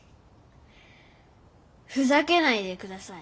フザけないでください。